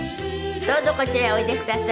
どうぞこちらへおいでください。